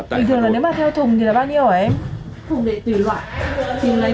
bình thường nếu theo thùng thì là bao nhiêu hả em